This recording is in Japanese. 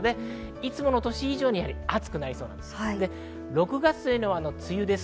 いつも以上に暑くなりそうです。